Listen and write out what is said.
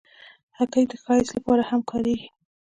هګۍ د ښایست لپاره هم کارېږي.